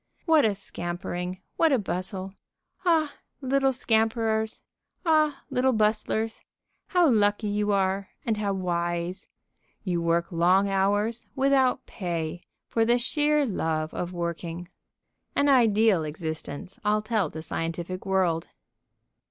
What a scampering! What a bustle! Ah, little scamperers! Ah, little bustlers! How lucky you are, and how wise! You work long hours, without pay, for the sheer love of working. An ideal existence, I'll tell the scientific world.